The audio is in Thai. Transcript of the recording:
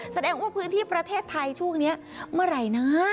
แสดงว่าพื้นที่ประเทศไทยช่วงนี้เมื่อไหร่นะ